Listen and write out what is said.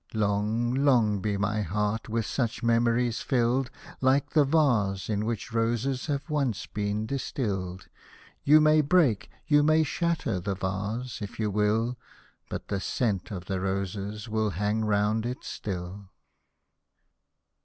Long, long be my heart with such memories filled ! Like the vase, in which roses have once been dis tilled— You may break, you may shatter the vase, if you will, But the scent of the roses will hang round it still.